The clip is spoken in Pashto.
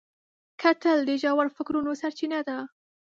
کتل د ژور فکرونو سرچینه ده